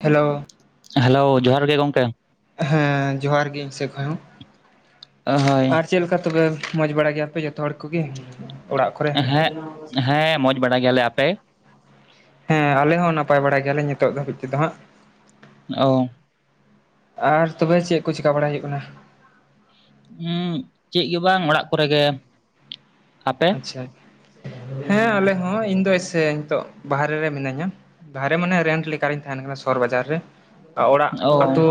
Hello. Hello ᱡᱚᱦᱟᱸᱨ ᱜᱮ ᱜᱚᱝᱠᱮ᱾ ᱦᱮᱸ ᱡᱚᱦᱟᱸᱨ ᱜᱤ ᱤᱧ ᱥᱮᱫ ᱠᱷᱚᱱ ᱦᱚᱸ᱾ ᱚ ᱟᱨ ᱦᱳᱭ᱾ ᱪᱮᱫ ᱞᱮᱠᱟ ᱛᱚᱵᱮ ᱢᱚᱡᱽ ᱵᱟᱲᱟᱭ ᱜᱮᱭᱟᱯᱮ ᱡᱚᱛᱚ ᱦᱚᱲ ᱠᱩᱜᱮ? ᱦᱮᱸ ᱦᱮᱸ ᱢᱚᱡᱽ ᱵᱟᱲᱟ ᱜᱮᱭᱟ ᱞᱮ, ᱟᱯᱮ? ᱦᱮᱸ ᱟᱞᱮ ᱦᱚᱸ ᱱᱟᱯᱟᱭ ᱵᱟᱲᱟ ᱜᱮᱭᱟᱞᱮ ᱱᱤᱛᱚᱜ ᱫᱷᱟᱹᱵᱤᱡ ᱛᱮᱫᱚ ᱦᱟᱸᱜ᱾ ᱚ᱾ ᱟᱨ ᱛᱚᱵᱮ ᱪᱮᱫ ᱠᱚ ᱪᱤᱠᱟ ᱵᱟᱲᱟᱭ ᱦᱩᱭᱩᱜ ᱠᱟᱱᱟ? ᱪᱮᱫ ᱜᱮ ᱵᱟᱝ ᱚᱲᱟᱜ ᱠᱚᱨᱮ ᱜᱮ, ᱟᱯᱮ? ᱟᱪᱪᱷᱟ ᱦᱮᱸ ᱟᱞᱮ ᱦᱚᱸ ᱤᱧ ᱫᱚ ᱮᱥᱮ ᱱᱤᱛᱚᱜ ᱵᱟᱨᱮ ᱨᱮ ᱢᱤᱱᱟᱹᱧᱟ᱾ ᱵᱟᱦᱨᱮ ᱢᱟᱱᱮ ᱨᱮᱱᱴ ᱞᱮᱠᱟ ᱨᱤᱧ ᱛᱟᱦᱮᱱ ᱠᱟᱱᱟ ᱥᱚᱦᱚᱨ ᱵᱟᱡᱟᱨ ᱨᱮ᱾ ᱚᱲᱟᱜ ᱚ ᱟᱹᱛᱩ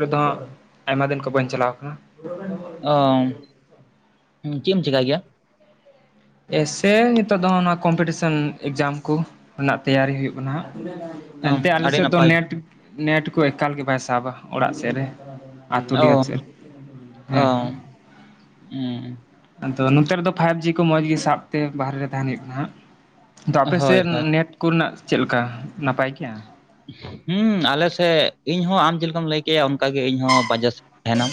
ᱨᱮᱫᱚ ᱦᱟᱸᱜ ᱟᱭᱢᱟ ᱫᱤᱱ ᱠᱚ ᱵᱟᱹᱧ ᱪᱟᱞᱟᱣ ᱠᱟᱱᱟ᱾ ᱚ ᱪᱮᱫ ᱮᱢ ᱪᱤᱠᱟᱭ ᱜᱮᱭᱟ? ᱮᱥᱮ ᱱᱤᱛᱚᱜ ᱫᱚ ᱱᱚᱣᱟ ᱠᱚᱢᱯᱤᱴᱤᱥᱮᱱ ᱮᱠᱡᱟᱢ ᱠᱚ ᱨᱮᱱᱟᱜ ᱛᱮᱭᱟᱨᱤ ᱦᱩᱭᱩᱜ ᱠᱟᱱᱟ ᱦᱟᱸᱜ᱾ ᱚ ᱮᱱᱛᱮ ᱟᱞᱮ ᱟᱹᱰᱤ ᱥᱮᱫ ᱫᱚ ᱱᱟᱯᱟᱭ ᱱᱮᱴ ᱱᱮᱴ ᱠᱚ ᱮᱠᱟᱞ ᱜᱮ ᱵᱟᱭ ᱥᱟᱵᱟ ᱚᱲᱟᱜ ᱥᱮᱫ ᱨᱮ᱾ ᱟᱛᱳ ᱰᱤᱦᱟᱹᱛ ᱚ ᱥᱮᱫ ᱨᱮ᱾ ᱚ ᱦᱮᱸ ᱩ ᱟᱫᱚ ᱱᱚᱛᱮ ᱨᱮᱫᱚ ᱯᱷᱟᱭᱤᱵ ᱡᱤ ᱠᱚ ᱢᱚᱸᱡᱽ ᱜᱮ ᱥᱟᱵᱛᱮ ᱵᱟᱦᱨᱮ ᱨᱮ ᱛᱟᱦᱮᱱ ᱦᱩᱭᱩᱜ ᱠᱟᱱᱟ ᱦᱟᱸᱜ᱾ ᱛᱚ ᱟᱯᱮ ᱦᱳᱭ ᱥᱮᱫ ᱦᱳᱭ ᱱᱮᱴ ᱠᱚ ᱨᱮᱱᱟᱜ ᱪᱮᱫ ᱞᱮᱠᱟ ᱱᱟᱯᱟᱭ ᱜᱮᱭᱟ? ᱦᱮᱸ ᱦᱩᱸ ᱟᱞᱮ ᱥᱮᱫ ᱤᱧ ᱦᱚᱸ ᱟᱢ ᱪᱮᱫ ᱞᱮᱠᱟᱢ ᱞᱟᱹᱭᱼᱼ ᱠᱮᱭᱟ ᱚᱱᱠᱟ ᱜᱮ ᱤᱧ ᱦᱚᱸ ᱵᱟᱡᱟᱨ ᱥᱮ ᱨᱤᱧ ᱛᱟᱦᱮᱱᱟ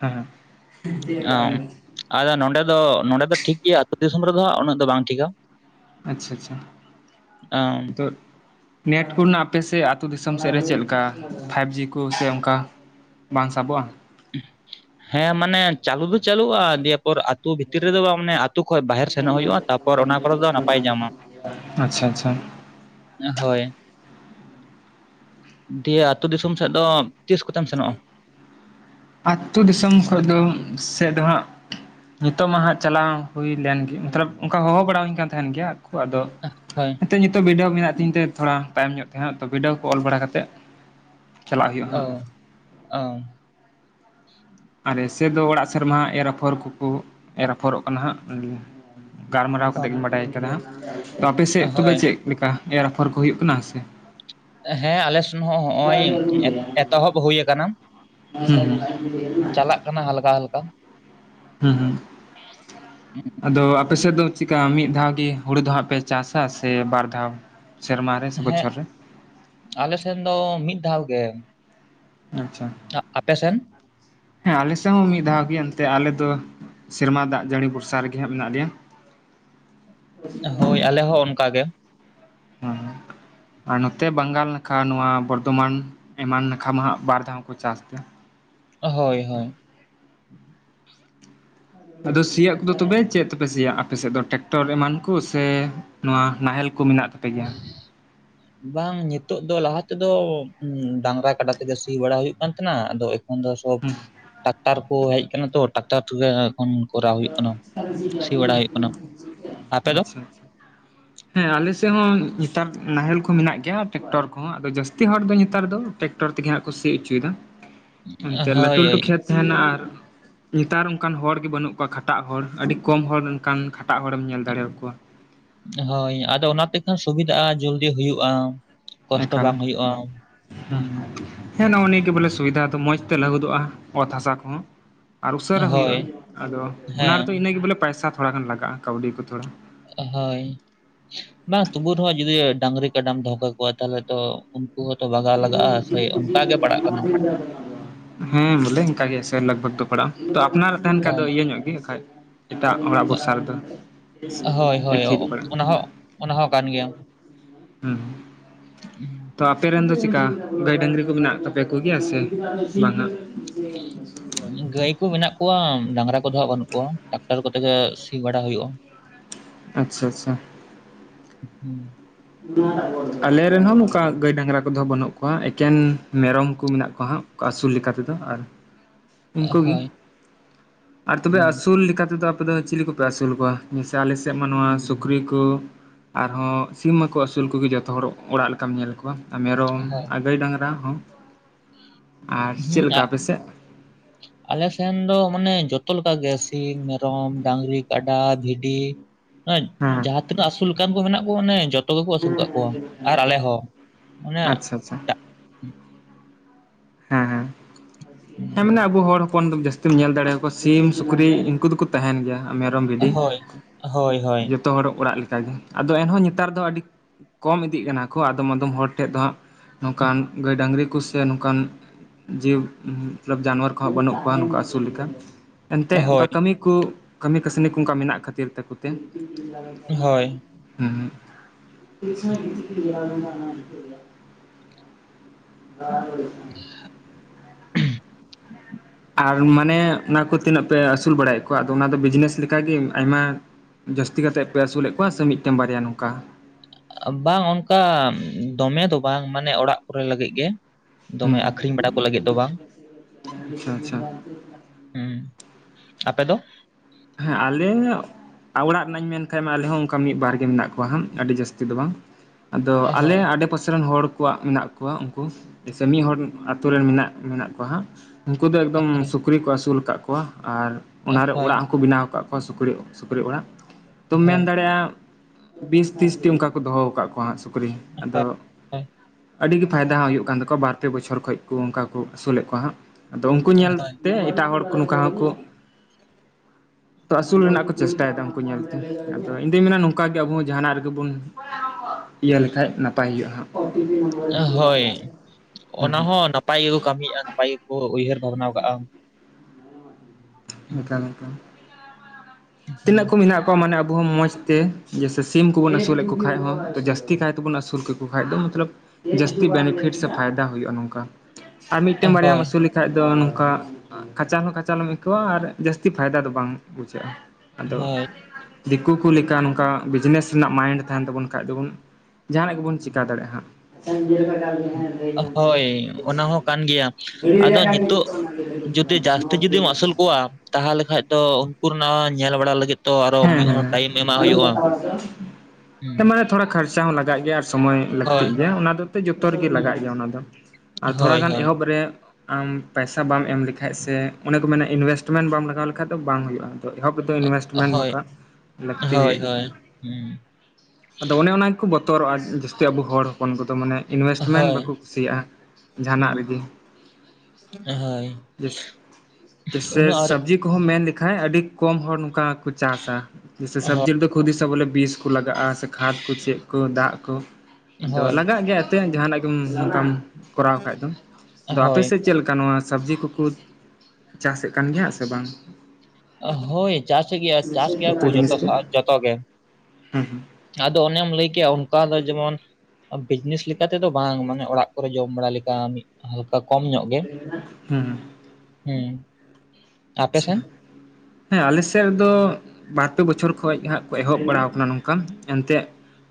ᱦᱮᱸ ᱚᱼ ᱟ ᱱᱚᱰᱮ ᱫᱚ ᱱᱚᱰᱮ ᱫᱚ ᱴᱷᱤᱠ ᱜᱮᱭᱟ ᱟᱛᱳ ᱫᱤᱥᱚᱢ ᱨᱮᱫᱚ ᱦᱟᱜ ᱩᱱᱟᱹᱜ ᱫᱚ ᱵᱟᱝ ᱴᱷᱤᱠᱟ᱾ ᱟᱪᱷᱟ ᱟᱪᱷᱟ ᱚ ᱛᱚᱼᱼ ᱱᱮᱴ ᱠᱚᱨᱮᱱᱟᱜ ᱟᱯᱮ ᱥᱮᱱ ᱟᱹᱛᱩ ᱫᱤᱥᱚᱢ ᱥᱮᱫ ᱨᱮ ᱪᱮᱫ ᱞᱮᱠᱟ ᱯᱷᱟᱭᱤᱵ ᱡᱤ ᱠᱚ ᱥᱮ ᱚᱱᱠᱟ? ᱵᱟᱝ ᱥᱟᱵᱚᱜᱼᱟ? ᱦᱮᱸ ᱢᱟᱱᱮ ᱪᱟᱹᱞᱩ ᱫᱚ ᱪᱟᱹᱞᱩᱜᱼᱟ ᱫᱤᱭᱮ ᱯᱚᱨ ᱟᱹᱛᱩ ᱵᱷᱤᱛᱤᱨ ᱨᱮᱫᱚ ᱵᱟᱝ ᱢᱟᱱᱮᱼᱼ ᱟᱹᱛᱩ ᱠᱷᱚᱱ ᱵᱟᱦᱮᱨ ᱥᱮᱱᱚᱜ ᱦᱩᱭᱩᱜᱼᱟ, ᱛᱟᱨᱯᱚᱨ ᱚᱱᱟ ᱠᱚᱨᱮ ᱫᱚ ᱱᱟᱯᱟᱭ ᱧᱟᱢᱟᱢ᱾ ᱟᱪᱪᱷᱟ ᱟᱪᱪᱷᱟ ᱟ ᱦᱳᱭ᱾ ᱫᱤᱭᱮ ᱟᱹᱛᱩᱳᱫᱤᱥᱚᱢ ᱥᱮᱫ ᱫᱚ ᱛᱤᱥ ᱠᱚᱛᱮᱢ ᱥᱮᱱᱚᱜᱼᱟᱢ? ᱟᱛᱳ ᱫᱤᱥᱚᱢ ᱠᱷᱚᱡ ᱫᱚ ᱥᱮᱫ ᱫᱚ ᱦᱟᱸᱜᱼᱼ ᱱᱤᱛᱚᱜ ᱢᱟ ᱦᱟᱸᱜ ᱪᱟᱞᱟᱣ ᱦᱩᱭ ᱞᱮᱱ ᱜᱮ ᱢᱚᱛᱞᱚᱵ ᱚᱱᱠᱟ ᱦᱚᱦᱚ ᱵᱟᱲᱟ ᱟᱹᱧ ᱠᱟᱱ ᱛᱟᱦᱮᱱ ᱜᱮᱭᱟ ᱠᱚ ᱟᱫᱚᱼᱼ ᱦᱳᱭ᱾ ᱱᱤᱛᱚᱜ ᱱᱤᱛᱚᱜ ᱵᱤᱰᱟᱹᱣ ᱢᱮᱱᱟᱜ ᱛᱤᱧ ᱛᱮ ᱛᱷᱚᱲᱟ ᱛᱟᱭᱚᱢ ᱧᱚᱜ ᱛᱮ ᱦᱟᱜ ᱵᱤᱰᱟᱹᱣ ᱠᱚ ᱚᱞ ᱵᱟᱲᱟ ᱠᱟᱛᱮᱫ᱾ ᱪᱟᱞᱟᱜ ᱦᱩᱭᱩᱜᱼᱟ ᱦᱟᱸᱜ ᱚ ᱚ᱾ ᱟᱨ ᱮᱭᱥᱮ ᱫᱚ ᱚᱲᱟᱜ ᱥᱮᱨᱢᱟ ᱮᱨ ᱟᱯᱷᱚᱨ ᱠᱩᱠᱩ ᱮᱨ ᱟᱯᱷᱚᱨᱚᱜ ᱠᱟᱱᱟ ᱦᱟᱸᱜ᱾ ᱜᱟᱞᱢᱟᱨᱟᱣ ᱠᱟᱛᱮᱜ ᱜᱤᱧ ᱵᱟᱰᱟᱭ ᱠᱟᱫᱟ ᱛᱚ ᱟᱯᱮ ᱚ ᱥᱮᱫ ᱛᱚᱵᱮ ᱦᱳᱭ ᱪᱮᱫ? ᱞᱮᱠᱟ ᱮᱨ ᱟᱯᱷᱚᱨ ᱠᱚ ᱦᱩᱭᱩᱜ ᱠᱟᱱᱟ ᱥᱮ? ᱦᱮᱸ ᱟᱞᱮ ᱥᱮᱱ ᱦᱚᱸ ᱦᱚᱸᱜᱼᱚᱭ ᱮᱛᱚᱦᱚᱵ ᱦᱩᱭ ᱟᱠᱟᱱᱟ᱾ ᱦᱩᱸ ᱦᱩᱸ ᱪᱟᱞᱟᱜ ᱠᱟᱱᱟ ᱦᱟᱞᱠᱟ ᱦᱟᱞᱠᱟ᱾ ᱦᱩᱸ ᱦᱩᱸ ᱟᱫᱚ ᱟᱯᱮ ᱥᱮᱫ ᱫᱚᱼᱼ ᱪᱮᱠᱟ ᱢᱤᱫ ᱫᱷᱟᱣ ᱜᱮ ᱦᱩᱲᱩ ᱫᱚ ᱦᱟᱸᱜ ᱯᱮ ᱪᱟᱥᱟ, ᱥᱮ ᱵᱟᱨ ᱫᱷᱟᱣ ᱥᱮᱨᱢᱟᱨ ᱨᱮ ᱥᱮ ᱦᱮᱸ ᱵᱚᱪᱷᱚᱨ ᱨᱮ? ᱟᱞᱮ ᱥᱮᱱ ᱫᱚ ᱢᱤᱫ ᱫᱷᱟᱣᱜ ᱜᱮ᱾ ᱟᱪᱪᱷᱟ᱾ ᱟᱯᱮ ᱥᱮᱱ? ᱦᱮᱸ ᱟᱞᱮ ᱥᱮᱫ ᱦᱚᱸ ᱢᱤᱫ ᱫᱷᱟᱣ ᱜᱮ ᱮᱱᱛᱮ ᱟᱞᱮ ᱫᱚ, ᱥᱮᱨᱢᱟ ᱫᱟᱜ ᱡᱟᱹᱲᱤ ᱵᱷᱚᱨᱥᱟ ᱨᱮᱜᱮ ᱦᱟᱸᱜ ᱢᱮᱱᱟᱜ ᱞᱮᱭᱟ᱾ ᱦᱳᱭ ᱟᱞᱮ ᱦᱚᱸ ᱚᱱᱠᱟ ᱜᱮ᱾ ᱦᱮᱸ ᱦᱮᱸ᱾ [unintelligible] ᱟᱨ ᱱᱚᱛᱮ ᱵᱟᱝᱜᱟᱞ ᱱᱟᱠᱷᱟ ᱱᱚᱣᱟ ᱵᱚᱨᱫᱷᱚᱢᱟᱱ ᱮᱢᱟᱱ ᱱᱟᱠᱷᱟ ᱢᱟ ᱦᱟᱜ ᱵᱟᱨ ᱫᱷᱟᱣ ᱠᱚ ᱪᱟᱥ ᱜᱮᱭᱟ᱾ ᱦᱳᱭ ᱦᱳᱭ᱾ ᱟᱫᱚ ᱥᱤᱭᱟᱜ ᱠᱚᱫᱚ ᱛᱚᱵᱮ ᱪᱮᱫ? ᱛᱚᱯᱮ ᱥᱮᱭᱟᱜ ᱟᱯᱮᱥᱮᱫ ᱫᱚ ᱴᱮᱠᱴᱚᱨ ᱮᱢᱟᱱ ᱠᱚ ᱥᱮ ᱱᱚᱣᱟ ᱱᱟᱦᱮᱞ ᱠᱚ ᱢᱮᱱᱟᱜ ᱛᱟᱯᱮ ᱜᱮᱭᱟ? [unintelligible] ᱵᱟᱝ ᱱᱤᱛᱚᱜ ᱫᱚ ᱞᱟᱦᱟ ᱛᱮᱫᱚ ᱰᱟᱝᱨᱟ ᱠᱟᱰᱟ ᱛᱮᱜᱮ ᱥᱤ ᱵᱟᱲᱟ ᱦᱩᱭᱩᱜ ᱠᱟᱱ ᱛᱟᱦᱮᱸᱱᱟ ᱟᱫᱚ, ᱛᱚᱠᱷᱚᱱ ᱫᱚ ᱥᱚᱵ ᱦᱮᱸ ᱴᱟᱠᱴᱟᱨ ᱠᱚ ᱦᱮᱡ ᱠᱟᱱᱟ ᱛᱚ ᱴᱟᱠᱴᱟᱨ ᱴᱮᱜᱮ, ᱮᱠᱷᱚᱱ ᱠᱚᱨᱟᱣ ᱦᱩᱭᱩᱜ ᱠᱟᱱᱟ, ᱥᱤ ᱵᱟᱲᱟ ᱦᱩᱭᱩᱜ ᱠᱟᱱᱟ, ᱟᱯᱮ ᱫᱚ? ᱟᱪᱪᱷᱟ ᱟᱪᱪᱷᱟ ᱦᱮᱸ ᱟᱞᱮ ᱥᱮᱫ ᱦᱚᱸ ᱱᱮᱛᱟᱨ ᱱᱟᱦᱮᱞ ᱠᱚ ᱢᱮᱱᱟᱜ ᱜᱮᱭᱟ ᱴᱨᱟᱠᱴᱚᱨ ᱠᱚᱦᱚᱸ ᱟᱫᱚ ᱡᱟᱹᱥᱛᱤ ᱦᱚᱲ ᱫᱚ ᱱᱮᱛᱟᱨ ᱫᱚ, ᱴᱚᱨ ᱛᱮᱜᱮ ᱦᱟᱸᱜ ᱠᱚ ᱥᱤ ᱚᱪᱚᱭᱮᱫᱟ᱾ [inaudible] ᱮᱱᱛᱮᱫ ᱞᱟᱹᱴᱩ ᱦᱳᱭ ᱞᱟᱹᱴᱩ ᱠᱷᱮᱛ ᱛᱟᱦᱮᱱᱟ ᱟᱨ, ᱱᱮᱛᱟᱨ ᱚᱱᱠᱟᱱ ᱦᱚᱲ ᱜᱮ ᱵᱟᱹᱱᱩᱜ ᱠᱚᱣᱟ᱾ ᱠᱷᱟᱴᱟᱜ ᱦᱚᱲ ᱟᱹᱰᱤ ᱠᱚᱢ ᱦᱚᱲ ᱚᱱᱠᱟᱱ ᱠᱷᱟᱴᱟᱜ ᱦᱚᱲᱮᱢ ᱧᱮᱞ ᱫᱟᱲᱮ ᱟᱠᱚᱣᱟ᱾ ᱦᱳᱭ ᱟᱫᱚ ᱚᱱᱟ ᱛᱮ ᱠᱷᱟᱱ ᱥᱩᱵᱤᱫᱷᱟᱜᱼᱟ ᱡᱚᱞᱫᱤ ᱦᱩᱭᱩᱜᱼᱟ᱾ ᱠᱚᱥᱴᱚ ᱮᱠᱟᱞ ᱵᱟᱝ ᱦᱩᱭᱩᱜᱼᱟ ᱦᱩᱸ᱾ ᱦᱩᱸ ᱦᱩᱸ ᱦᱮᱸ ᱱᱚᱜᱼ ᱱᱤᱭᱟᱹ ᱜᱮ ᱵᱚᱞᱮ ᱥᱩᱵᱤᱫᱷᱟ ᱫᱚ ᱢᱚᱸᱡᱽ ᱛᱮ ᱞᱟᱹᱦᱩᱫᱚᱜᱼᱟ ᱚᱛ ᱦᱟᱥᱟ ᱠᱚᱦᱚᱸ᱾ ᱟᱨ ᱩᱥᱟᱹᱨᱟ ᱦᱳᱭ ᱦᱩᱭᱩᱜᱼᱟ ᱟᱫᱚ ᱚᱱᱟ ᱦᱮᱸ ᱨᱮᱫᱚ ᱤᱱᱟᱹᱜᱮ ᱵᱚᱞᱮ ᱯᱚᱭᱥᱟ ᱛᱷᱚᱲᱟ ᱜᱟᱱ ᱞᱟᱜᱟᱜᱼᱟ ᱠᱟᱹᱣᱰᱤ ᱠᱚ ᱛᱷᱚᱲᱟ᱾ ᱦᱳᱭ ᱵᱟᱝ ᱛᱩᱵᱩ ᱨᱮᱦᱚᱸ ᱡᱩᱫᱤ ᱰᱟᱺᱜᱽᱨᱤ ᱠᱟᱰᱟᱢ ᱫᱚᱦᱚ ᱠᱟᱠᱚᱣᱟ ᱛᱟᱦᱚᱞᱮ ᱛᱚ ᱩᱱᱠᱩ ᱦᱚᱸᱛᱚ ᱵᱟᱜᱟᱣ ᱞᱟᱜᱟᱜᱼᱟ ᱥᱮ ᱚᱱᱠᱟ ᱜᱮ ᱯᱟᱲᱟᱜ ᱠᱟᱱᱟ᱾ ᱦᱮᱸ ᱵᱚᱞᱮ ᱤᱱᱠᱟᱹ ᱜᱮ ᱥᱮ ᱞᱟᱜᱽ ᱵᱷᱟᱜᱽ ᱫᱚ ᱯᱟᱲᱟᱜᱼᱟ ᱛᱳ ᱟᱯᱱᱟᱨᱮ ᱛᱟᱦᱮᱱ ᱠᱷᱟᱡ ᱫᱚ ᱦᱳᱭ ᱤᱭᱟᱹ ᱧᱚᱜ ᱜᱮ ᱵᱟᱠᱷᱟᱡ᱾ ᱮᱴᱟᱜ ᱦᱚᱲᱟᱜ ᱵᱷᱚᱨᱥᱟ ᱨᱮᱫᱚ ᱦᱳᱭ ᱦᱳᱭ ᱮᱛᱷᱤᱴ ᱯᱟᱲᱟᱜ -ᱟ᱾ ᱚᱱᱟ ᱦᱚᱸ ᱚᱱᱟ ᱦᱚᱸ ᱠᱟᱱ ᱜᱮᱭᱟ ᱦᱮᱸ, [unintelligible] ᱟᱯᱮᱨᱮ ᱨᱮᱱ ᱫᱚ ᱪᱮᱠᱟ ᱜᱟᱹᱭ ᱰᱟᱹᱝᱨᱤ ᱠᱚ ᱢᱮᱱᱟᱜ ᱛᱟᱯᱮ ᱠᱚ ᱜᱮᱭᱟ ᱥᱮ ᱵᱟᱝᱟ᱾ [unintelligible] ᱜᱟᱹᱭ ᱠᱚ ᱢᱮᱱᱟᱜ ᱠᱚᱣᱟ ᱰᱟᱸᱝᱨᱟ ᱠᱚ ᱫᱚᱦᱚ ᱦᱟᱸᱜ ᱵᱟᱱᱩᱜ ᱠᱚᱣᱟ ᱴᱨᱟᱠᱴᱟᱨ ᱠᱚᱛᱮ ᱜᱮ ᱥᱤ ᱵᱟᱲᱟ ᱦᱩᱭᱩᱜᱼᱟ᱾ [unintelligible] ᱟᱪᱪᱷᱟ ᱟᱪᱪᱷᱟ, ᱦᱮᱸ, ᱟᱞᱮ ᱨᱮᱱ ᱦᱚᱸ ᱱᱚᱝᱠᱟ ᱜᱟᱹᱭ ᱰᱟᱝᱨᱟ ᱠᱚᱫᱚ ᱵᱟᱹᱱᱩᱜ ᱠᱚᱣᱟ ᱮᱠᱮᱱ ᱢᱮᱨᱚᱢ ᱠᱚ ᱢᱮᱱᱟᱜ ᱠᱚᱣᱟ ᱦᱟᱸᱜ᱾ ᱟᱹᱥᱩᱞ ᱞᱮᱠᱟᱛᱮᱫᱚ ᱟᱨ [unintelligible] ᱩᱱᱠᱩᱜᱤ ᱦᱳᱭ ᱟᱨ ᱛᱚᱵᱮ ᱦᱩᱸ ᱟᱹᱥᱩᱞ ᱞᱮᱠᱟᱛᱮᱫᱚ ᱟᱯᱮ ᱫᱚ ᱪᱤᱞᱤ ᱠᱚ, ᱯᱮ ᱟᱹᱥᱩᱞ ᱠᱚᱣᱟ ᱡᱮᱥᱮ ᱟᱞᱮᱥᱮᱫ ᱢᱟ ᱱᱚᱣᱟ ᱥᱩᱠᱨᱤ ᱠᱚ ᱟᱨᱦᱚᱸ ᱥᱤᱢ ᱢᱟᱠᱚ ᱟᱹᱥᱩᱞ ᱠᱚᱜᱮ ᱡᱚᱛᱚ ᱦᱚᱲ ᱚᱲᱟᱜ ᱞᱮᱠᱟᱢ ᱧᱮᱞ ᱠᱚᱣᱟ ᱢᱮᱨᱚᱢ ᱦᱳᱭ ᱟᱨ ᱜᱟᱹᱭᱼ ᱰᱟᱝᱨᱟ ᱦᱚᱸ, ᱟᱨ ᱪᱮᱫ ᱦᱮᱸ ᱞᱮᱠᱟ ᱟᱜ, ᱟᱯᱮ ᱥᱮᱫ ᱟᱞᱮ ᱥᱮᱱ ᱫᱚ ᱢᱟᱱᱮ ᱡᱚᱛᱚ ᱞᱮᱠᱟᱱ ᱜᱮ ᱥᱤᱢ ᱢᱮᱨ ᱚᱢ ᱰᱟᱸᱝᱨᱤ ᱠᱟᱰᱟ ᱵᱷᱤᱰᱤ ᱦᱮᱸ ᱡᱟᱦᱟᱸ ᱛᱤᱱᱟᱹᱜ ᱟᱹᱥᱩᱞ ᱞᱮᱠᱟᱱ ᱠᱚ ᱢᱮᱱᱟᱜ ᱠᱚᱣᱟ ᱚᱱᱮ ᱡᱚᱛ ᱡᱚᱛᱚ ᱜᱮᱠᱚ ᱟᱹᱥᱩᱞ ᱠᱟᱫ ᱠᱚᱣᱟ ᱟᱨ ᱟᱞᱮ ᱦᱚᱸ ᱚᱱᱮ ᱟᱪᱪᱷᱟ ᱟᱪᱪᱷᱟ ᱰᱟᱜ ᱦᱮᱸ ᱦᱮᱸ ᱦᱮᱸ ᱢᱟᱱᱮ ᱟᱵᱚ ᱦᱚᱲ, ᱦᱚᱯᱚᱱ ᱫᱚ ᱡᱟᱹᱥᱛᱤᱢ ᱧᱮᱞ ᱫᱟᱲᱮᱭᱟᱠᱚᱣᱟ ᱥᱤᱢ ᱥᱩᱠᱨᱤ ᱩᱱᱝᱠᱩ ᱫᱚᱠᱚ ᱛᱟᱦᱮᱱ ᱜᱮᱭᱟ᱾ ᱢᱮᱨᱚᱢ ᱵᱷᱤᱰᱤ ᱦᱳᱭ ᱦᱳᱭ ᱦᱳᱭ ᱡᱚ ᱡᱚᱛᱚ ᱦᱚᱲ ᱚᱲᱟᱜ ᱞᱮᱠᱟᱜᱮ ᱟᱫᱚ ᱮᱱᱦᱚᱸ ᱱᱮᱛᱟᱨ ᱫᱚ ᱟᱹᱰᱤ ᱠᱚᱢ ᱤᱫᱤᱜ ᱠᱟᱱᱟ ᱠᱚ ᱟᱫᱚᱢ ᱟᱫᱚᱢ ᱦᱚᱲ ᱴᱷᱮᱱ ᱫᱚ ᱦᱟᱸᱜ, ᱱᱚᱝᱠᱟᱱ ᱜᱟᱹᱭ ᱰᱟᱹᱝᱨᱤ ᱠᱚᱥᱮ ᱱᱚᱝᱠᱟᱱ, ᱡᱤᱣ ᱢᱚᱛᱞᱚᱵ ᱡᱟᱱᱣᱟᱨ ᱠᱚᱦᱚᱸ ᱵᱟᱹᱱᱩᱜ ᱠᱚᱣᱟ ᱱᱚᱝᱠᱟ ᱟᱹᱥᱩᱞ ᱞᱮᱠᱟ ᱮᱱᱛᱮ ᱚᱱᱠᱟ ᱦᱳᱭ ᱠᱟᱹᱢᱤ, ᱩᱱᱠᱩ ᱠᱟᱹᱢᱤ ᱠᱟᱹᱥᱱᱤ ᱠᱚ ᱚᱝᱠᱟ ᱢᱮᱱᱟᱜ ᱠᱷᱟᱹᱛᱤᱨ ᱛᱟᱠᱚ ᱛᱮ, [unintelligible] ᱦᱳᱭ [unintelligible] [unintelligible] [unintelligible] ᱟᱨ ᱢᱟᱱᱮ ᱚᱱᱟ ᱠᱚ ᱛᱤᱱᱟᱹᱜ ᱯᱮ ᱟᱹᱥᱩᱞ ᱵᱟᱲᱟᱭᱮᱫ ᱠᱚᱣᱟ ᱟᱫᱚ ᱚᱱᱟᱫᱚ ᱵᱤᱡᱽᱱᱮᱥ ᱞᱮᱠᱟᱜᱮ ᱟᱭᱢᱟ ᱡᱟᱹᱥᱛᱤ ᱠᱟᱛᱮᱫ ᱯᱮ ᱟᱹᱥᱩᱞᱮᱫ ᱠᱚᱣᱟ ᱥᱮ ᱢᱤᱫᱴᱮᱱ ᱵᱟᱨᱭᱟ ᱱᱚᱝᱠᱟ? ᱵᱟᱝ ᱚᱱᱠᱟ ᱫᱚᱢᱮ ᱫᱚ ᱵᱟᱝ ᱢᱟᱱᱮ ᱚᱲᱟᱜ ᱠᱚᱨᱮ ᱞᱟᱹᱜᱤᱫ ᱜᱮ᱾ ᱫᱚᱢᱮ ᱦᱮᱸ ᱟᱠᱷᱨᱤᱧ ᱵᱟᱲᱟ ᱠᱚ ᱞᱟᱹᱜᱤᱫ ᱫᱚ ᱵᱟᱝ᱾ ᱟᱪᱪᱷᱟ ᱟᱪᱪᱷᱟ ᱦᱩᱸ, ᱟᱯᱮ ᱫᱚ? ᱦᱮᱸ, ᱟᱞᱮᱭᱚᱜ ᱟᱨ ᱚᱲᱟᱜ ᱨᱮᱱᱟᱜ ᱤᱧ ᱢᱮᱱ ᱠᱷᱟᱡ ᱢᱟ ᱟᱞᱮ ᱦᱚᱸ ᱚᱱᱠᱟ ᱢᱤᱫ ᱵᱟᱨ ᱜᱮ ᱢᱮᱱᱟᱜ ᱠᱚᱣᱟ ᱦᱟᱸᱜ ᱟᱹᱰᱤ ᱡᱟᱹᱥᱛᱤ ᱫᱚ ᱵᱟᱝ᱾ ᱟᱫᱚ ᱟᱞᱮ ᱦᱳᱭ ᱟᱰᱮ ᱯᱟᱥᱮ ᱨᱮᱱ ᱦᱚᱲ ᱠᱚᱣᱟᱜ ᱢᱮᱱᱟᱜ ᱠᱚᱣᱟ ᱩᱝᱠᱩ, ᱡᱮᱭᱥᱮ ᱢᱤᱫ ᱦᱚᱲ ᱟᱛᱳ ᱨᱮᱱ ᱢᱮᱱᱟᱜ ᱢᱮᱱᱟᱜ ᱠᱚᱣᱟ ᱦᱟᱸᱜ᱾ ᱩᱝᱠᱩ ᱫᱚ ᱮᱠᱫᱚᱢ ᱦᱳᱭ ᱥᱩᱠᱨᱤ ᱠᱚ ᱟᱹᱥᱩᱞ ᱠᱟᱜ ᱠᱚᱣᱟ ᱟᱨ ᱚᱱᱟ ᱨᱮ ᱦᱳᱭ ᱚᱲᱟᱜ ᱦᱚᱸ ᱠᱚ ᱵᱮᱱᱟᱣ ᱠᱟᱜ ᱠᱚᱣᱟ ᱥᱩᱠᱨᱤ ᱥᱩᱠᱨᱤ ᱚᱲᱟᱜ᱾ ᱛᱚ ᱦᱳᱭ ᱢᱮᱱ ᱫᱟᱲᱮᱭᱟᱜᱼᱟᱢ ᱵᱤᱥ ᱛᱤᱥᱴᱤ ᱚᱝᱠᱟ ᱠᱚ ᱫᱚᱦᱚ ᱠᱟᱜ ᱠᱚᱣᱟ ᱦᱟᱸᱜ ᱥᱩᱠᱨᱤ ᱦᱳᱭ ᱟᱫᱚ ᱟᱹᱰᱤ ᱜᱮ ᱯᱷᱟᱭᱫᱟ ᱦᱟᱸᱜ ᱦᱩᱭᱩᱜ ᱠᱟᱱ ᱛᱟᱠᱚᱣᱟ, ᱵᱟᱨ ᱯᱮ ᱵᱚᱪᱷᱚᱨ ᱠᱷᱚᱡ ᱠᱚ ᱚᱝᱠᱟ ᱠᱚ ᱟᱹᱥᱩᱞᱮᱫ ᱠᱚᱣᱟ ᱦᱟᱸᱜ᱾ ᱟᱫᱚ ᱩᱝᱠᱩ ᱦᱳᱭ ᱧᱮᱞᱛᱮ ᱮᱴᱟᱜ ᱦᱚᱲ ᱠᱚ ᱱᱚᱝᱠᱟ ᱦᱚᱸᱠᱚ ᱛᱚ ᱟᱹᱥᱩᱞ ᱨᱮᱱᱟᱜ ᱠᱚ ᱪᱮᱥᱴᱟᱭᱮᱫᱟ ᱩᱝᱠᱩ ᱧᱮᱞᱛᱮ᱾ ᱟᱫᱚ ᱤᱧ ᱫᱩᱧ ᱢᱮᱱᱟ ᱱᱚᱝᱠᱟ ᱜᱮ ᱟᱵᱚ ᱡᱟᱦᱟᱱᱟᱜ ᱨᱮᱜᱮ ᱵᱚᱱ ᱤᱭᱟᱹ ᱞᱮᱠᱷᱟᱡ ᱱᱟᱯᱟᱭ ᱦᱩᱭᱩᱜᱼᱟ ᱦᱟᱸᱜ᱾ ᱦᱳᱭ, ᱦᱮᱸ ᱚᱱᱟ ᱦᱚᱸ ᱱᱟᱯᱟᱭ ᱜᱮᱠᱚ ᱠᱟᱹᱢᱤᱭᱮᱜᱼᱟ ᱱᱟᱯᱟᱭ ᱜᱮᱠᱚ ᱩᱭᱦᱟᱹᱨ ᱵᱷᱟᱵᱽᱱᱟᱣ ᱠᱟᱜᱼᱟ᱾ ᱮᱠᱟᱞ ᱮᱠᱟᱞ, ᱛᱤᱱᱟᱹᱜ ᱠᱚ ᱢᱮᱱᱟᱜ ᱠᱚ ᱢᱟᱱᱮ ᱟᱵᱚ ᱦᱚᱸ ᱢᱚᱡᱽ ᱛᱮ ᱡᱮᱭ ᱥᱮ ᱥᱤᱢ ᱠᱚᱵᱚᱱ ᱟᱹᱥᱩᱞᱮᱫ ᱠᱚ ᱠᱷᱟᱱ ᱦᱚᱸ ᱡᱟᱹᱥᱛᱤ ᱠᱟᱭ ᱛᱮᱵᱚᱱ ᱟᱹᱥᱩᱞ ᱠᱮᱫ ᱠᱚ ᱠᱷᱟᱱ ᱫᱚ ᱢᱚᱛᱞᱚᱵ ᱡᱟᱹᱥᱛᱤ ᱵᱮᱱᱤᱯᱷᱤᱴ ᱥᱮ ᱯᱷᱟᱭᱫᱟ ᱦᱩᱭᱩᱜᱼᱟ ᱱᱚᱝᱠᱟ᱾ ᱟᱨ ᱢᱤᱫᱴᱮᱱ ᱵᱟᱨᱭᱟᱢ ᱦᱳᱭ ᱟᱹᱥᱩᱞ ᱞᱮᱠᱷᱟᱡ ᱫᱚ ᱱᱚᱝᱠᱟ ᱠᱟᱪᱟᱞ ᱦᱚᱸ ᱠᱟᱪᱟᱞᱚᱢ ᱟᱹᱭᱟᱹᱣᱟ ᱟᱨ ᱡᱟᱹᱥᱛᱤ ᱯᱷᱟᱭᱫᱟ ᱫᱚ ᱵᱟᱝ ᱵᱩᱡᱷᱟᱹᱜᱼᱟ, ᱟᱫᱚ ᱦᱳᱭ ᱫᱤᱠᱩ ᱠᱚ ᱞᱮᱠᱟ ᱱᱚᱝᱠᱟ ᱵᱤᱡᱽᱱᱮᱥ ᱨᱮᱱᱟᱜ ᱢᱟᱭᱤᱰ ᱛᱟᱦᱮᱱ ᱛᱟᱵᱚᱱ ᱠᱷᱟᱡ ᱫᱚᱵᱚᱱ ᱡᱟᱸᱦᱟᱱᱟᱜ ᱜᱮᱵᱚᱱ ᱪᱤᱠᱟ ᱫᱟᱲᱮᱭᱟᱜᱼᱟ ᱦᱟᱸᱜ᱾ [unintelligible] ᱦᱳᱭ, ᱚᱱᱟ ᱦᱚᱸ ᱠᱟᱱ ᱜᱮᱭᱟ ᱜᱟᱹᱰᱤ ᱟᱫᱚ ᱨᱮᱭᱟᱜ ᱠᱟᱱ ᱱᱤᱛᱳᱜ ᱡᱩᱫᱤ ᱡᱟᱹᱥᱛᱤ ᱡᱩᱫᱤᱢ ᱟᱹᱥᱩᱞ ᱠᱚᱣᱟ ᱛᱟᱦᱞᱮ ᱠᱷᱟᱡ ᱫᱚ ᱩᱱᱠᱩ ᱨᱮᱱᱟᱜ ᱧᱮᱞ ᱵᱟᱲᱟ ᱞᱟᱹᱜᱤᱫ ᱛᱚ ᱟᱨᱚ ᱦᱩᱸ ᱢᱤᱫ ᱦᱚᱲ ᱴᱟᱭᱤᱢ ᱮᱢᱟᱜ ᱦᱩᱸ ᱦᱩᱭᱩᱜᱼᱟ ᱦᱩᱸ, ᱦᱮᱸ ᱢᱟ ᱛᱷᱚᱲᱟ ᱠᱷᱟᱨᱪᱟ ᱦᱚᱸ ᱞᱟᱜᱟᱜ ᱜᱮᱭᱟ ᱟᱨ ᱥᱚᱢᱚᱭ ᱦᱳᱭ ᱞᱟᱹᱠᱛᱤᱜ ᱜᱮᱭᱟ ᱚᱱᱟ ᱫᱚ ᱡᱚᱛᱚ ᱨᱮᱜᱮ ᱞᱟᱜᱟᱜ ᱜᱮᱭᱟ, ᱚᱱᱟ ᱫᱚ ᱟᱨ ᱛᱷᱚᱲᱟ ᱦᱳᱭ ᱜᱟᱱ ᱦᱳᱭ ᱮᱦᱚᱵ ᱨᱮ ᱟᱢ ᱯᱟᱭᱥᱟ ᱵᱟᱢ ᱮᱢ ᱞᱮᱠᱷᱟᱡ ᱥᱮ ᱚᱱᱮ ᱠᱚ ᱢᱮᱱᱟ ᱤᱱᱵᱷᱮᱥᱴᱢᱮᱱᱴ ᱵᱟᱢ ᱞᱟᱜᱟᱣ ᱞᱮᱠᱷᱟᱡ ᱫᱚ ᱵᱟᱝ ᱦᱩᱭᱩᱜᱼᱟ᱾ ᱛᱚ, ᱮᱦᱚᱵ ᱨᱮᱫᱚ ᱤᱱᱵᱷᱮᱥᱴᱢᱮᱱᱴ ᱦᱳᱭ ᱱᱚᱝᱠᱟ ᱞᱟᱹᱠᱛᱤ ᱦᱳᱭ ᱦᱩᱭᱩᱜ ᱦᱳᱭ ᱜᱮᱭᱟ, ᱦᱩᱸ ᱟᱫᱚ ᱚᱱᱮ ᱚᱱᱟ ᱠᱚ ᱵᱚᱛᱚᱨᱚᱜᱼᱟ, ᱡᱟᱹᱥᱛᱤ ᱟᱵᱚ ᱦᱚᱲ ᱦᱚᱯᱚᱱ ᱠᱚᱫᱚ ᱢᱟᱱᱮ ᱞᱤᱱᱵᱷᱮᱥᱴᱢᱮᱱᱴ ᱦᱳᱭ ᱵᱟᱠᱚ ᱠᱩᱥᱤᱭᱟᱜᱼᱟ, ᱡᱟᱸᱦᱟᱱᱟᱜ ᱦᱩᱸ ᱨᱮᱜᱮ᱾ ᱦᱳᱭ ᱡᱮᱥ, ‌ᱡᱮᱥᱮ ᱩᱱᱟᱹᱜ ᱟᱨ ᱥᱚᱵᱡᱤ ᱠᱚᱦᱚᱸ ᱢᱮᱱ ᱞᱮ ᱠᱷᱟᱡ ᱟᱹᱰᱤ ᱠᱚᱢ ᱦᱚᱲ ᱱᱚᱝᱠᱟ ᱠᱚ ᱪᱟᱥᱟ, ᱡᱮᱭᱥᱮ ᱥᱚᱵᱽᱡᱤ ᱨᱮᱫᱚ ᱠᱚ ᱦᱩᱫᱤᱥᱟ ᱵᱚᱞᱮ ᱵᱤᱥ ᱠᱚ ᱞᱟᱜᱟᱜᱼᱟ, ᱥᱮ ᱠᱷᱟᱫᱽ ᱠᱚ ᱪᱮᱫ ᱠᱚ ᱫᱟᱜ ᱠᱚ ᱟᱫᱚ ᱦᱳᱭ ᱞᱟᱜᱟᱜ ᱜᱮᱭᱟ᱾ ᱟᱛᱮᱱ ᱡᱟᱦᱟᱱᱟᱜ ᱜᱮᱢ ᱱᱚᱝᱠᱟᱢ ᱠᱚᱨᱟᱣ ᱠᱷᱟᱡ ᱫᱚ᱾ ᱟᱫᱚ ᱦᱳᱭ ᱟᱯᱮᱥᱮᱫ ᱪᱮᱫ ᱞᱮᱠᱟ ᱱᱚᱣᱟ ᱥᱚᱵᱽᱡᱤ ᱠᱚ? ᱠᱚ ᱪᱟᱥᱮᱫ ᱠᱟᱱ ᱜᱮᱭᱟ ᱥᱮ ᱵᱟᱝ? ᱦᱳᱭ, ᱪᱟᱥᱮᱜ ᱜᱮᱭᱟ ᱪᱟᱥ ᱜᱮᱭᱟ ᱠᱚ ᱩᱛᱩ ᱡᱤᱱᱤᱥ ᱡᱚᱛᱚ ᱡᱚᱛᱚ ᱜᱮ᱾ ᱦᱮᱸ ᱟᱫᱚ ᱚᱱᱮᱢ ᱞᱟᱹᱭ ᱠᱮᱜᱼᱟ ᱚᱱᱠᱟ ᱫᱚ ᱡᱮᱢᱚᱱ ᱵᱤᱡᱽᱱᱮᱥ ᱞᱮᱠᱟ ᱛᱮᱫᱚ ᱵᱟᱝ ᱢᱟᱱᱮ ᱚᱲᱟᱜ ᱠᱚᱨᱮ ᱡᱚᱢ ᱵᱟᱲᱟ ᱞᱮᱠᱟ ᱢᱤᱫ ᱦᱟᱞ ᱠᱟ ᱠᱚᱢ ᱧᱚᱜ ᱜᱮ, ᱦᱮᱸ ᱦᱮᱸ ᱦᱩᱸ᱾ ᱟᱯᱮ ᱟᱪᱪᱷᱟ, ᱥᱮᱱ ᱦᱮᱸ ᱟᱞᱮ ᱥᱮᱫ ᱨᱮ ᱫᱚ ᱵᱟᱨ-ᱯᱮ ᱵᱚᱪᱷᱚᱨ ᱠᱷᱚᱡ ᱦᱟᱸᱜ ᱠᱚ ᱮᱦᱚᱵ ᱵᱟᱲᱟᱣ ᱟᱠᱟᱱᱟ ᱱᱚᱝᱠᱟᱱ ᱮᱱᱛᱮᱜ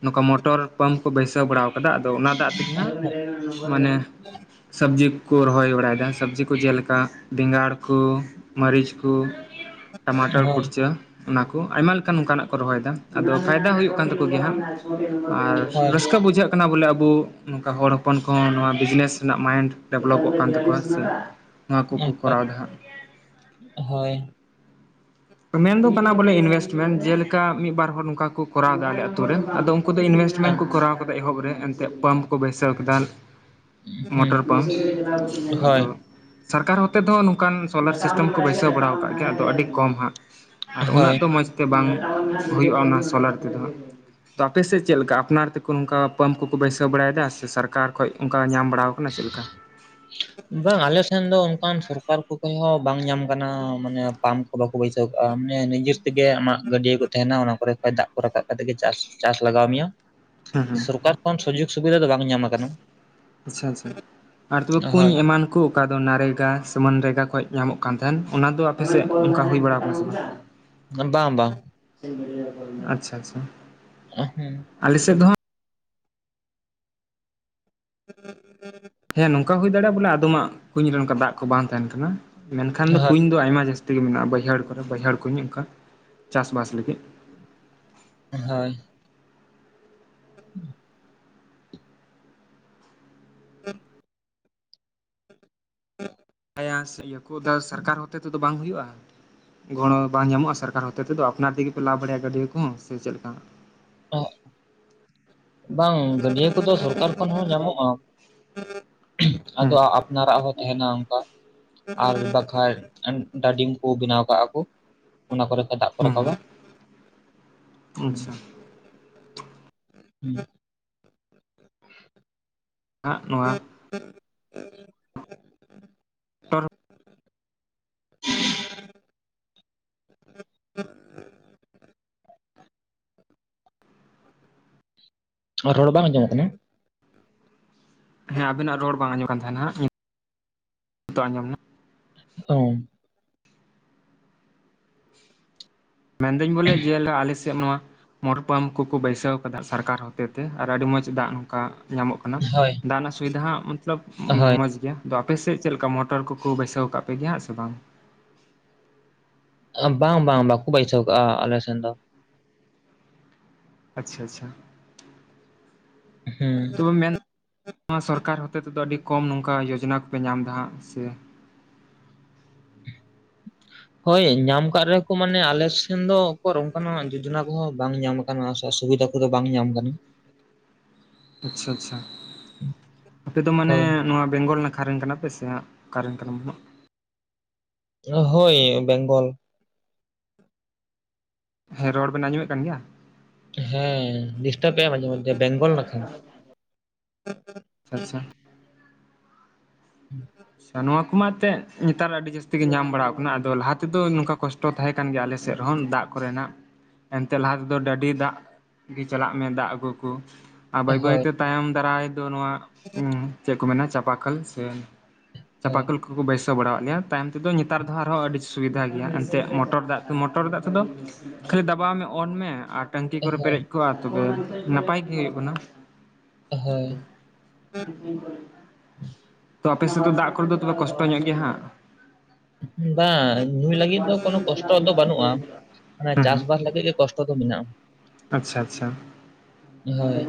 ᱱᱚᱝᱠᱟ ᱢᱚᱴᱚᱨ ᱯᱟᱢᱯ ᱠᱚ ᱵᱟᱹᱭᱥᱟᱹᱣ ᱵᱟᱲ ᱠᱟᱫᱟ ᱟᱫᱚ ᱚᱱᱟ ᱫᱟᱜ ᱛᱮᱜᱮ ᱦᱟᱸᱜ ᱢᱟᱱᱮ ᱥᱚᱵᱽᱡᱤ ᱠᱚᱠᱚ ᱨᱚᱦᱚᱭ ᱵᱟᱲᱟᱭᱮᱫᱟ, ᱥᱚᱵᱽᱡᱤ ᱠᱚ ᱡᱮᱞᱮᱠᱟ ᱵᱮᱸᱜᱟᱲ ᱠᱚ ᱢᱟᱹᱨᱤᱪ ᱠᱚ ᱴᱟᱢᱟᱴᱚᱨ ᱦᱳᱭ ᱠᱩᱲᱪᱟᱹ, ᱚᱱᱟ ᱠᱚ ᱟᱭᱢᱟ ᱞᱮᱠᱟᱱ ᱚᱱᱠᱟᱱᱟᱜ ᱠᱚ ᱨᱚᱦᱚᱭᱮᱫᱟ ᱟᱫᱚ ᱯᱷᱟᱭᱫᱟ ᱦᱩᱭᱩᱜ ᱠᱟᱱ ᱛᱟᱠᱚ ᱜᱮᱭᱟ ᱦᱟᱸᱜ᱾ ᱟᱨ ᱦᱳᱭ ᱨᱟᱹᱥᱠᱟᱹ ᱵᱩᱡᱷᱟᱹᱜ ᱠᱟᱱᱟ ᱵᱚᱞᱮ ᱟᱵᱚ ᱱᱚᱝᱠᱟ ᱦᱚᱲ ᱦᱚᱯᱚᱱ ᱠᱚᱦᱚᱸ ᱱᱚᱣᱟ ᱵᱤᱡᱽᱱᱮᱥ ᱨᱮᱱᱟᱜ ᱢᱟᱭᱤᱱᱰ ᱰᱮᱵᱷᱞᱚᱯᱚᱜ ᱠᱟᱱ ᱛᱟᱠᱚᱣᱟ ᱥᱮ, ᱱᱚᱣᱟ ᱠᱚᱠᱚ ᱠᱚᱨᱟᱣ ᱫᱟ ᱦᱟᱸᱜ ᱦᱳᱭ ᱢᱮᱱᱫᱚ ᱠᱟᱱᱟ ᱵᱚᱞᱮ ᱤᱱᱵᱷᱮᱥᱴᱢᱮᱱᱴ ᱡᱮᱞᱮᱠᱟ ᱢᱤᱫ ᱵᱟᱨ ᱦᱚᱲ ᱱᱚᱝᱠᱟ ᱠᱚ ᱠᱚᱨᱟᱣ ᱮᱫᱟ ᱟᱞᱮ ᱟᱹᱛᱩ ᱨᱮ ᱟᱫᱚ ᱩᱱᱠᱩ ᱫᱚ ᱤᱱᱵᱷᱮᱥᱴ ᱢᱮᱱᱴ ᱦᱩᱸ ᱠᱚᱨᱟᱣ ᱠᱟᱫᱟ ᱮᱦᱚᱵ ᱨᱮ ᱮᱱᱛᱮᱫ ᱯᱟᱢᱯ ᱠᱚ ᱵᱟᱹᱭᱥᱟᱹᱣ ᱠᱮᱫᱟ᱾ ᱢᱚᱴᱚᱨ ᱯᱟᱢᱯ ᱦᱳᱭ ᱟᱫᱚ ᱥᱚᱨᱠᱟᱨ ᱦᱚᱛᱮ ᱦᱚᱸ ᱱᱚᱝᱠᱟᱱ ᱥᱳᱞᱟᱨ ᱥᱤᱥᱴᱮᱢ ᱠᱚ ᱵᱟᱹᱭᱥᱟᱹᱣ ᱵᱟᱲᱟᱣ ᱟᱠᱟᱫ ᱜᱮᱭᱟ ᱟᱫᱚ ᱟᱹᱰᱤ ᱠᱚᱢ ᱦᱟᱸᱜ ᱟᱨ ᱦᱳᱭ ᱩᱱᱟᱹᱜ ᱫᱚ ᱢᱚᱸᱡᱽ ᱛᱮ ᱵᱟᱝ ᱦᱩᱭᱩᱜᱼᱟ ᱚᱱᱟ ᱥᱳᱞᱟᱨ ᱛᱮᱫᱚ᱾ ᱛᱚ ᱟᱯᱮᱥᱮᱫ ᱪᱮᱫ ᱞᱮᱠᱟ ᱟᱯᱱᱟᱨ ᱛᱮᱠᱚ ᱱᱚᱝᱠᱟ ᱯᱟᱢᱯ ᱠᱚᱠᱚ ᱵᱟᱹᱭᱥᱟᱹᱣ ᱵᱟᱲᱟᱭᱮᱫᱟ ᱥᱮ ᱥᱚᱨᱠᱟᱨ ᱠᱷᱚᱱᱚᱡ ᱚᱱᱠᱟ ᱧᱟᱢ ᱵᱟᱲᱟ ᱟᱠᱟᱱᱟ ᱪᱮᱫ ᱞᱮᱠᱟ? ᱵᱟᱝ ᱟᱞᱮᱥᱱ ᱫᱚ ᱚᱱᱠᱟᱱ ᱥᱚᱨᱠᱟᱨ ᱠᱚ ᱠᱷᱚᱡᱽ ᱦᱚᱸ ᱵᱟᱝ ᱧᱟᱢ ᱠᱟᱱᱟ ᱢᱟᱱᱮ ᱯᱟᱢᱯ ᱠᱚᱫᱚ᱾ ᱵᱟᱹᱭᱥᱟᱹᱣ ᱠᱟᱜᱼᱟ, ᱢᱟᱱᱮ ᱱᱤᱡᱮᱨᱮ ᱛᱮᱜᱮ ᱟᱢᱟᱜ ᱜᱟᱹᱰᱭᱟᱹ ᱠᱚ ᱛᱟᱦᱮᱱᱟ ᱚᱱᱟ ᱠᱚᱨᱮ ᱠᱷᱚᱱ ᱫᱟᱜ ᱠᱚ ᱨᱟᱠᱟᱵ ᱠᱟᱛᱮ ᱪᱟᱥ, ᱪᱟᱥ ᱞᱟᱜᱟᱣ ᱢᱮᱭᱟ᱾ ᱦᱩᱸ ᱦᱩᱸ ᱥᱚᱨᱠᱟᱨ ᱠᱷᱚᱱ ᱥᱩᱡᱳᱜᱽ ᱥᱩᱵᱤᱫᱷᱟ ᱫᱚ ᱵᱟᱝ ᱧᱟᱢᱟ ᱟᱠᱟᱱᱟ᱾ ᱟᱪᱪᱷᱟ ᱟᱪᱪᱷᱟ ᱟᱨ ᱛᱚᱵᱮ ᱠᱩᱸᱧ ᱦᱳᱭ ᱮᱢᱟᱱ ᱩᱱᱠᱩ ᱚᱠᱟ ᱫᱚ ᱱᱟᱨᱮᱜᱟ ᱥᱮᱢᱚᱱᱨᱮᱜᱟ ᱠᱷᱚᱱ ᱧᱟᱢᱚᱜ ᱠᱟᱱ ᱛᱟᱦᱮᱱ ᱚᱱᱟ ᱫᱚ ᱟᱯᱮᱥᱮᱫ ᱚᱱᱠᱟ ᱦᱩᱭ ᱵᱟᱲᱟ ᱟᱠᱟᱱᱟ ᱥᱮ ᱵᱟᱝ ᱵᱟᱝ ᱟᱪᱪᱷᱟ ᱟᱪᱪᱷᱟ ᱚ ᱦᱩᱸ ᱟᱞᱮᱥᱮᱫ ᱫᱚ ᱦᱟᱜ [unintelligible] ᱦᱮᱸ ᱱᱚᱝᱠᱟ ᱦᱩᱭ ᱫᱟᱲᱮᱭᱟᱜᱼᱟ ᱵᱚᱞᱮ ᱟᱫᱚᱢᱟᱜ ᱠᱩᱧ ᱨᱮ ᱚᱱᱠᱟ ᱫᱟᱜ ᱠᱚ ᱵᱟᱝ ᱛᱟᱦᱮᱱ ᱠᱟᱱᱟ ᱢᱮᱱᱠᱷᱟᱱ ᱫᱚ ᱦᱳᱭ ᱠᱩᱧ ᱫᱚ ᱟᱭᱢᱟ ᱡᱟᱹᱥᱛᱤ ᱛᱮᱜᱮ ᱢᱮᱱᱟᱜᱼᱟ ᱵᱟᱹᱭᱦᱟᱹᱲ ᱠᱚᱨᱮ ᱵᱟᱹᱭᱦᱟᱹᱲ ᱠᱚ ᱚᱱᱠᱟ ᱪᱟᱥ ᱵᱟᱥ ᱞᱟᱹᱜᱤᱫ, ᱦᱳᱭ [unintelligible] [unintelligible] [unintelligible] ᱤᱭᱟᱹ ᱠᱚᱫᱚ ᱥᱚᱨᱠᱟᱨ ᱦᱚᱛᱮ ᱛᱮᱫᱚ ᱵᱟᱝ ᱦᱩᱭᱩᱜᱼᱟ᱾ ᱜᱚᱲᱚ ᱵᱟᱝ ᱧᱟᱢᱚᱜᱼᱟ ᱥᱚᱨᱠᱟᱨ ᱦᱚᱛᱮ ᱛᱮᱫᱚ ᱟᱯᱱᱟᱨ ᱛᱮᱜᱮ ᱯᱮ ᱞᱟ ᱵᱟᱲᱟᱭᱼᱟ ᱜᱟᱹᱰᱭ ᱠᱚᱦᱚᱸ ᱥᱮ ᱪᱮᱫ ᱞᱮᱠᱟ? [unintelligible] ᱵᱟᱝ ᱜᱟᱹᱰᱭᱟᱹ ᱠᱚᱫᱚ ᱥᱚᱨᱠᱟᱨ ᱠᱷᱚᱱ ᱦᱚᱸ ᱧᱟᱢᱚᱜᱼᱟ᱾ ᱟᱫᱚ ᱦᱮᱸ ᱟᱯᱱᱟᱨᱟᱜ ᱦᱚᱸ ᱛᱟᱦᱮᱱᱟ ᱚᱱᱠᱟ, ᱟᱨ ᱵᱟᱠᱟᱡ ᱰᱟᱰᱤᱢ ᱠᱚ ᱵᱮᱱᱟᱣ ᱠᱟᱜᱼᱟ ᱠᱚ ᱚᱱᱟ ᱠᱚᱨᱮᱛᱮ ᱫᱟᱜ ᱠᱚ ᱨᱟᱠᱟᱵᱟ᱾ ᱦᱮᱸ ᱟᱪᱪᱷᱟ [unintelligible] ᱦ ᱱᱚᱣᱟ [unintelligible] [unintelligible] [unintelligible] ᱨᱚᱲ ᱵᱟᱝ ᱟᱸᱡᱚᱢᱚᱜ ᱠᱟᱱᱟ? ᱦᱮᱸ ᱟᱵᱤᱱᱟᱜ ᱨᱚᱲ ᱵᱟᱝ ᱟᱸᱡᱚᱢ ᱠᱟᱱ ᱛᱟᱦᱮᱱᱟ ᱱᱤᱛᱚᱜ ᱟᱸᱡᱚᱢ ᱮᱱᱟ, [unintelligible] ᱢᱮᱱᱫᱟᱹᱧ ᱵᱚᱞᱮ ᱡᱮ ᱟᱞᱮ ᱥᱮᱫ ᱱᱚᱣᱟ ᱢᱚᱴᱚᱨ ᱯᱟᱢᱯ ᱠᱚᱠᱚ ᱵᱟᱹᱭᱥᱟᱹᱣ ᱟᱠᱟᱫᱟ ᱥᱚᱨᱠᱟᱨ ᱦᱚᱛᱮ ᱛᱮ ᱟᱨ ᱟᱹᱰᱤ ᱢᱚᱸᱡᱽ ᱫᱟᱜ ᱱᱚᱝᱠᱟ ᱧᱟᱢᱚᱜ ᱠᱟᱱᱟ᱾ ᱦᱳᱭ ᱫᱟᱱᱟᱜ ᱥᱩᱵᱤᱫᱷᱟ ᱢᱚᱛᱞᱚᱵ ᱦᱳᱭ ᱢᱚᱸᱡᱽ ᱜᱮᱭᱟ᱾ ᱟᱫᱚ ᱟᱯᱮᱥᱮᱫ ᱪᱮᱫ ᱞᱮᱠᱟ ᱢᱚᱴᱚᱨ ᱠᱚᱠᱚ ᱵᱟᱹᱭᱥᱟᱹᱣ ᱟᱠᱟᱫ ᱯᱮᱜᱮᱭᱟ ᱥᱮ ᱵᱟᱝ? ᱵᱟᱝ ᱵᱟᱝ ᱵᱟᱠᱚ ᱵᱟᱭᱥᱟᱹᱼᱟ ᱟᱞᱮᱥᱮᱱ ᱫᱚ᱾ ᱟᱪᱪᱷᱟ ᱟᱪᱪᱷᱟ ᱦᱩᱸ ᱛᱚᱵᱮ ᱢᱮᱱ ᱱᱚᱣᱟ ᱥᱚᱨᱠᱟᱨ ᱦᱚᱛᱮ ᱛᱮᱫᱚ ᱟᱹᱰᱤ ᱠᱚᱢ ᱱᱚᱝᱠᱟ ᱡᱳᱡᱚᱱᱟ ᱠᱚᱯᱮ ᱧᱟᱢ ᱮᱫᱟ ᱦᱟᱸᱜ ᱥᱮ ᱦᱳᱭ ᱧᱟᱢ ᱠᱟᱜ ᱨᱮᱦᱚᱸᱠᱚ ᱢᱟᱱᱮ ᱟᱞᱮ ᱥᱮᱱ ᱫᱚ ᱚᱱᱠᱟᱱᱟᱜ ᱡᱳᱡᱚᱱᱟ ᱠᱚᱦᱚᱸ ᱵᱟᱝ ᱧᱟᱢ ᱠᱟᱱᱟ ᱥᱩᱵᱤᱫᱷᱟ ᱠᱚᱫᱚ ᱵᱟᱝ ᱧᱟᱢ ᱠᱟᱱᱟ, ᱟᱪᱪᱷᱟ ᱟᱪᱪᱷᱟ ᱟᱯᱮ ᱫᱚ ᱢᱟᱱᱮ ᱦᱳᱭ ᱱᱚᱣᱟ ᱵᱮᱝᱜᱚᱞ ᱱᱟᱠᱷᱟ ᱨᱮᱱ ᱠᱟᱱᱟ ᱯᱮ ᱥᱮ? ᱠᱟᱨᱮᱱ ᱠᱟᱱᱟᱢ, ᱦᱳᱭ ᱵᱮᱝᱜᱚᱞ᱾ ᱦᱮᱸ ᱨᱚᱲ ᱵᱮᱱ ᱟᱸᱚᱢᱮᱫ ᱠᱟᱱ ᱜᱮᱭᱟ᱾ ᱦᱮᱸ ᱰᱤᱥᱴᱟᱵᱫ ᱟᱭ ᱢᱟᱡᱷᱮᱢᱚᱫᱽᱷᱮ ᱵᱮᱝᱜᱚᱞ ᱱᱟᱠᱷᱟ᱾ ᱟᱪᱪᱷᱟ, ᱦᱮᱸ, ᱟᱪᱷᱟ ᱱᱚᱣᱟ ᱠᱚᱢᱟ ᱮᱱᱛᱮᱫ ᱱᱮᱛᱟᱨ ᱟᱹᱰᱤ ᱡᱟᱹᱥᱛᱤ ᱜᱮ ᱧᱟᱢ ᱵᱟᱲᱟᱣ ᱠᱟᱱᱟ ᱟᱫᱚ ᱞᱟᱦᱟ ᱛᱮᱫᱚ ᱱᱚᱝᱠᱟ ᱠᱚᱥᱴ ᱚᱠᱴᱚ ᱛᱟᱦᱮᱸ ᱠᱟᱱ ᱜᱮᱭᱟ ᱟᱞᱮ ᱥᱮᱫ ᱦᱚᱸᱚᱸ ᱫᱟᱜ ᱠᱚᱨᱮᱱᱟᱜ᱾ ᱮᱱᱛᱮᱜ ᱞᱟᱦᱟ ᱛᱮᱫᱚ ᱰᱟᱹᱰᱤ ᱫᱟᱜ ᱜᱮ ᱪᱟᱞᱟᱜ ᱢᱮ ᱫᱟᱜ ᱟᱹᱜᱩ ᱠᱚ᱾ ᱟᱨ ᱵᱟᱹᱭ ᱦᱳᱭ ᱵᱟᱹᱭᱛᱮ ᱛᱟᱭᱚᱢ ᱫᱟᱨᱟᱭ ᱫᱚ ᱱᱚᱣᱟ ᱪᱮᱫ ᱠᱚ ᱢᱮᱱᱟ ᱪᱟᱸᱯᱟ ᱠᱷᱟᱹᱞ ᱥᱮ, ᱦᱳᱭ ᱪᱟᱯᱟᱠᱩᱞ ᱩᱱ ᱠᱚ ᱵᱟᱹᱭᱥᱟᱹᱣ ᱵᱟᱲᱟᱣᱟᱜ ᱞᱮᱭᱟ ᱛᱟᱭᱚᱢ ᱛᱮᱫᱚ ᱱᱮᱛᱟᱨ ᱫᱚ ᱟᱨᱦᱚᱸ ᱟᱹᱰᱤ ᱥᱩᱵᱤᱫᱷᱟ ᱜᱮᱭᱟ ᱮᱱᱛᱮᱫ ᱢᱚᱴᱚᱨ ᱫᱟᱜ ᱢᱚᱴᱚᱨ ᱫᱟᱜ ᱛᱮᱫᱚ, ᱠᱷᱟᱹᱞᱤ ᱫᱟᱵᱟᱣ ᱢᱮ ᱚᱱ ᱢᱮ ᱟᱨ, ᱴᱮᱝᱠᱤ ᱠᱚᱨᱮ ᱦᱳᱭ ᱯᱮᱨᱮᱡ ᱠᱚᱜᱼᱟ ᱛᱚᱵᱮ ᱱᱟᱯᱟᱭ ᱜᱮ ᱦᱩᱭᱩᱜ ᱠᱟᱱᱟ᱾ ᱦᱳᱭ, [inaudible] ᱛᱚ ᱟᱯᱮ ᱥᱮᱫᱚ ᱫᱟᱜ ᱠᱚᱨᱮ ᱫᱚ ᱛᱚᱵᱮ ᱠᱚᱥᱴᱚ ᱧᱚᱜ ᱜᱮᱭᱟ ᱦᱟᱸᱜ? ᱵᱟᱝ ᱧᱩᱭ ᱞᱟᱹᱜᱤᱫ ᱫᱚ ᱦᱳᱣᱟᱴᱥᱮᱯ ᱠᱚᱱᱚ ᱨᱮ ᱠᱚᱥᱴᱚ ᱪᱟᱞᱟᱜ ᱫᱚ ᱦᱩᱭᱩᱜᱼᱟ ᱞᱟᱹᱭ ᱵᱟᱹᱱᱩᱜᱼᱟ ᱦᱩᱭᱩᱜᱼᱟ᱾ ᱚᱱᱟ ᱦᱩᱸ ᱪᱟᱥ ᱵᱟᱥ ᱞᱟᱹᱜᱤᱫ ᱜᱮ ᱠᱚᱥᱴᱚ᱾ ᱡᱚᱛᱚ ᱫᱚ ᱢᱮᱱᱟᱜᱼᱟ᱾ ᱟᱪᱷᱟ ᱟᱪᱷᱟ, ᱦᱳᱭ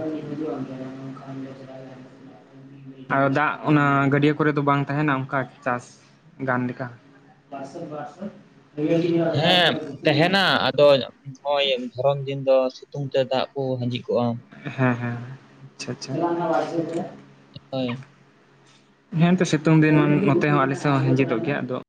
ᱟᱨ ᱫᱟᱜ ᱚᱱᱟ ᱜᱟᱹᱰᱤᱭᱟᱹ ᱠᱚᱨᱮ ᱫᱚ ᱵᱟᱝ ᱛᱟᱦᱮᱱᱟ ᱚᱱᱠᱟ ᱪᱟᱥ ᱜᱟᱱ ᱞᱮᱠᱟ? [unintelligible] ᱛᱚ ᱱᱚᱜ ᱚᱭ ᱫᱷᱚᱨᱚᱢ ᱫᱤᱱ ᱫᱚ ᱥᱤᱛᱩᱝ ᱛᱮ ᱫᱟᱜ ᱠᱚ ᱦᱟᱸᱡᱤ ᱠᱚᱜᱼᱟ᱾ ᱦᱮᱸ ᱦᱮᱸ ᱟᱪᱷᱟ ᱟᱪᱷᱟ᱾ ᱦᱳᱭ, ᱦᱮᱸᱛᱚ ᱥᱤᱛᱩᱝ ᱫᱤᱱ ᱱᱚᱛᱮ ᱦᱚᱸ ᱟᱞᱮ ᱥᱮᱫ ᱦᱚᱸ ᱦᱤᱸᱡᱫᱚᱜ ᱜᱮᱭᱟ ᱟᱫᱚ,